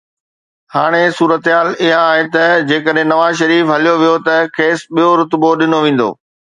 هاڻي صورتحال اها آهي ته جيڪڏهن نواز شريف هليو ويو ته کيس ٻيو رتبو ڏنو ويندو